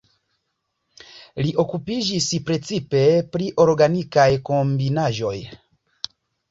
Li okupiĝis precipe pri organikaj kombinaĵoj.